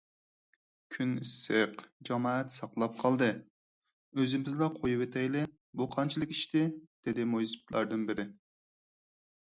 كۈن ئىسسىق، جامائەت ساقلاپ قالدى، ئۆزىمىزلا قويۇۋېتەيلى، بۇ قانچىلىك ئىشتى؟ _ دېدى مويسىپىتلاردىن بىرى.